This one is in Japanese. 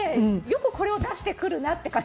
よくこれを出してくるなって。